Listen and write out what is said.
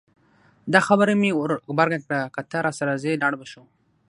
دا خبره مې ور غبرګه کړه که ته راسره ځې لاړ به شو.